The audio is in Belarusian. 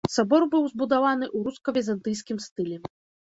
Сабор быў збудаваны ў руска-візантыйскім стылі.